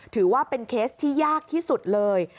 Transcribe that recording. ถือว่าเป็นเคสที่ยากที่สุดเลย